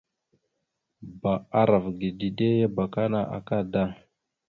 « Bba arav ge dide ya abakana akada! ».